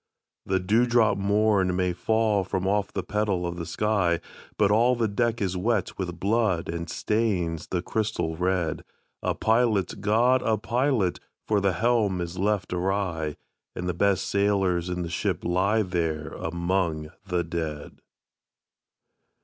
"The dewdrop morn may fall from off the petal of the sky, But all the deck is wet with blood and stains the crystal red. A pilot, GOD, a pilot! for the helm is left awry, And the best sailors in the ship lie there among the dead!"